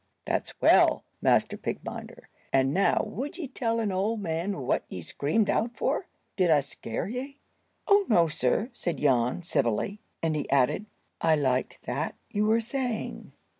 "That's well, Master Pig minder; and now would ye tell an old man what ye screamed out for. Did I scare ye?" "Oh, no, sir," said Jan, civilly; and he added, "I liked that you were saying."